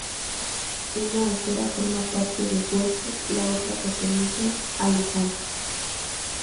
Una acera forma parte de Guecho, la otra pertenece a Lejona.